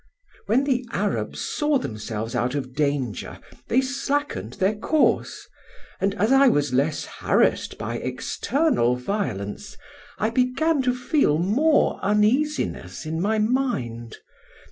"When the Arabs saw themselves out of danger, they slackened their course; and as I was less harassed by external violence, I began to feel more uneasiness in my mind.